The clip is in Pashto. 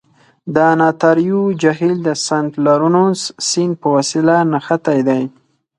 د انتاریو جهیل د سنت لورنس سیند په وسیله نښتی دی.